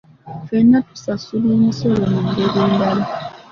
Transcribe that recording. Ffenna tusasula emisolo mu ngeri endala.